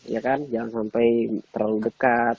jangan sampai terlalu dekat